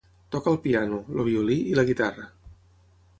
Toca el piano, el violí i la guitarra.